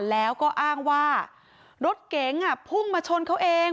แล้วก็อ้างว่ารถเก๋งพุ่งมาชนเขาเอง